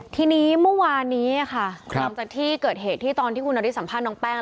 ทีนี้เมื่อวานนี้ค่ะหลังจากที่เกิดเหตุที่ตอนที่คุณนาริสัมภาษณน้องแป้ง